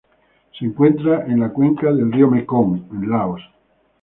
Se encuentra en la cuenca del río Mekong en Laos.